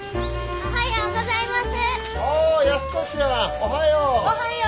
おはようございます。